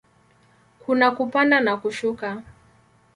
Kuna kupanda na kushuka.